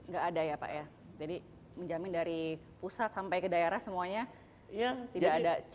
tidak ada ya pak ya jadi menjamin dari pusat sampai ke daerah semuanya tidak ada cap seperti itu